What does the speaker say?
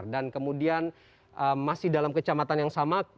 dan kemudian masih dalam kecamatan yang sama